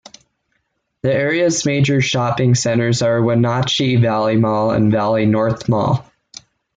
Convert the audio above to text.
The area's major shopping centers are Wenatchee Valley Mall and Valley North Mall.